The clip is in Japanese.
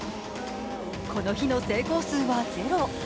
この日の成功数はゼロ。